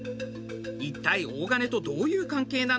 一体大金とどういう関係なのか？